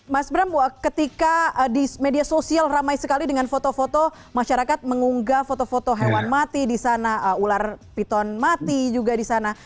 mas bram ketika di media sosial ramai sekali dengan foto foto masyarakat mengunggah foto foto hewan mati di sana ular piton mati juga di sana